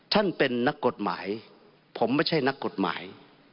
ท่านเป็นนักกฎหมายผมไม่ใช่นักกฎหมาย